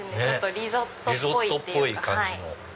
リゾットっぽい感じの。